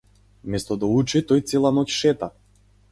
Место да учи тој цела ноќ шета.